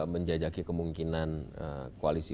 menjajaki kemungkinan koalisi